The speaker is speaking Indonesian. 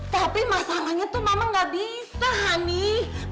tapi masangannya tuh mama gak bisa hanie